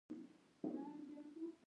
د نیابتي جګړې په کلونو کې هم.